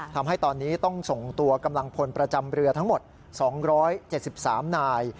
ทำให้ตอนนี้ต้องส่งตัวกำลังพลประจำเรือทั้งหมด๒๗๓นาย